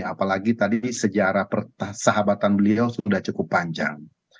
apalagi tadi sejarah persahabatan beliau sudah cukup panjang